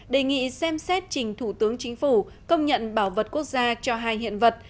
đề nghị xem xét trình thủ tướng chính phủ công nhận bảo vật quốc gia cho hai hiện vật